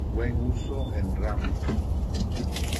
Buen uso en ramos.